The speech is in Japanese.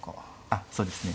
あっそうですね。